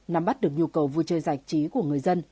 nắm bắt được nhu cầu vui chơi giải trí của người dân